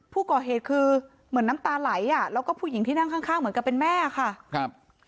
ผู้ก่อเหตุคือเหมือนน้ำตาไหลอ่ะแล้วก็ผู้หญิงที่นั่งข้างข้างเหมือนกับเป็นแม่ค่ะครับ